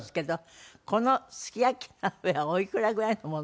このすき焼き鍋はおいくらぐらいのもの。